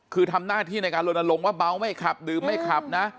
คือทำหน้าที่ในการลนลงว่าเมาไม่ขับดื่มไม่ขับนะ